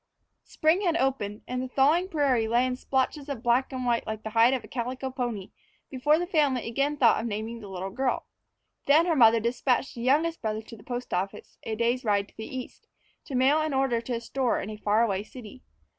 SPRING had opened, and the thawing prairie lay in splotches of black and white like the hide of a calico pony, before the family again thought of the naming of the little girl. Then her mother despatched the youngest brother to the post office, a day's ride to the east, to mail an order to a store in a far away city.